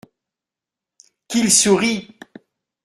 Qu’il sourie !